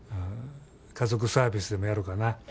家族サービスでもやろかな。